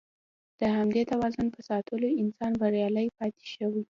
د همدې توازن په ساتلو انسان بریالی پاتې شوی.